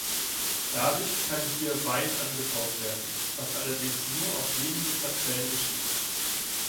Dadurch kann hier Wein angebaut werden, was allerdings nur auf wenigen Parzellen geschieht.